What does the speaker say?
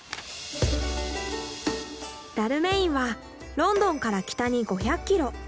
ダルメインはロンドンから北に５００キロ。